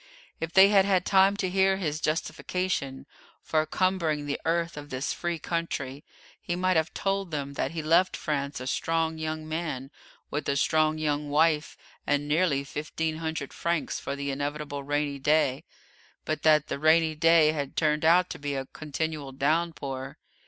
If they had had time to hear his justification for cumbering the earth of this free country, he might have told them that he left France a strong young man, with a strong young wife, and nearly fifteen hundred francs for the inevitable rainy day; but that the rainy day had turned out to be a continual downpour.